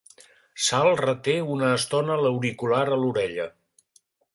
Sal reté una estona l'auricular a l'orella.